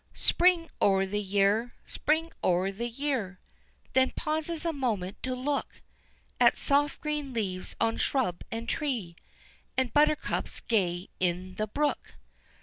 "Spring o' the year! Spring o' the year!" Then pauses a moment to look At soft green leaves on shrub and tree, And buttercups gay in the brook.